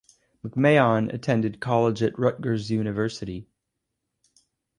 McMahon attended college at Rutgers University.